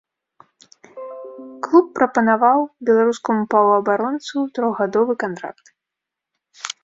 Клуб прапанаваў беларускаму паўабаронцу трохгадовы кантракт.